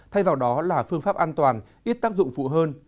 thay vào đó là phương pháp an toàn ít tác dụng phụ hơn